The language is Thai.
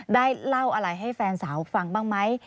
ได้เล่าอะไรให้แฟนสาวฟังบ้างไหม